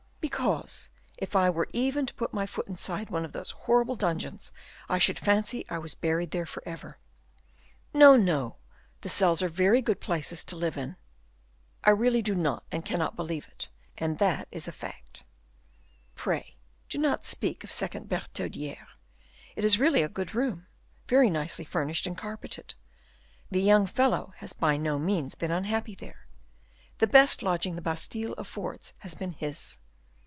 "Because if I were even to put my foot inside one of those horrible dungeons, I should fancy I was buried there forever." "No, no; the cells are very good places to live in." "I really do not, and cannot believe it, and that is a fact." "Pray do not speak ill of second Bertaudiere. It is really a good room, very nicely furnished and carpeted. The young fellow has by no means been unhappy there; the best lodging the Bastile affords has been his.